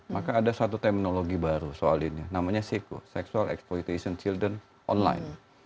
maka ada satu terminologi baru soal ini namanya seko sexual exploitation children online